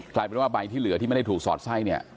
กลายเป็นว่าใบที่เหลือที่ไม่ได้ถูกสอดไส้เนี่ย